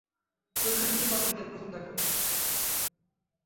শরীরে শরীরে কত ভেদ, প্রথম দেখ।